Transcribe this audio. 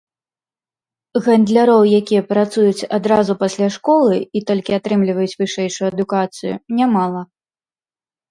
Гандляроў, якія працуюць адразу пасля школы і толькі атрымліваюць вышэйшую адукацыю, нямала.